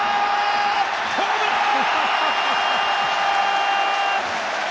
ホームラン！